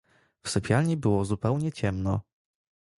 W sypialni było zupełnie ciemno.